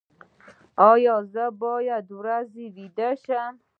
ایا زه باید د ورځې ویده شم؟